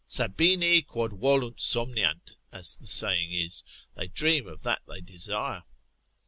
Sabini quod volunt somniant, as the saying is, they dream of that they desire.